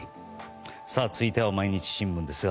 続いては毎日新聞です。